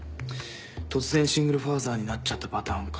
突然シングルファーザーになっちゃったパターンか。